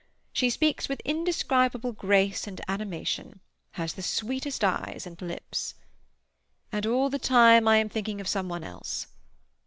She speaks with indescribable grace and animation, has the sweetest eyes and lips— "And all the time I am thinking of some one else.